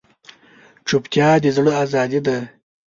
چوپتیا، د زړه ازادي ده.